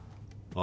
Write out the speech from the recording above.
あ